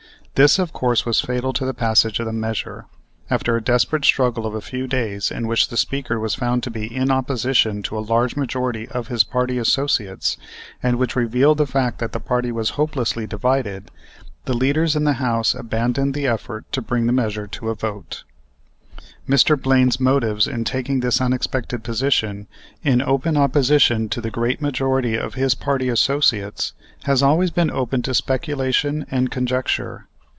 This, of course, was fatal to the passage of the measure. After a desperate struggle of a few days, in which the Speaker was found to be in opposition to a large majority of his party associates, and which revealed the fact that the party was hopelessly divided, the leaders in the House abandoned the effort to bring the measure to a vote. Mr. Blame's motives in taking this unexpected position, in open opposition to the great majority of his party associates, has always been open to speculation and conjecture.